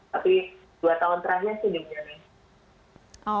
tapi dua tahun terakhir sih di jerman